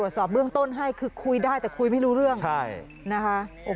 สอบเบื้องต้นให้คือคุยได้แต่คุยไม่รู้เรื่องนะคะ